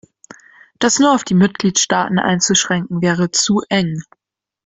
Das nur auf die Mitgliedstaaten einzuschränken, wäre zu eng.